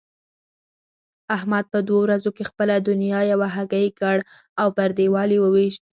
احمد په دوو ورځو کې خپله دونيا یوه هګۍکړ او پر دېوال يې وويشت.